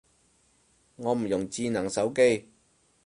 我唔用智能手機